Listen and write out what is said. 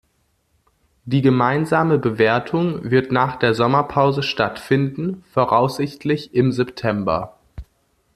Die gemeinsame Bewertung wird nach der Sommerpause stattfinden, voraussichtlich im September.